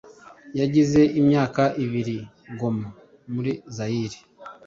yayize imyaka ibiri i Goma muri Zayire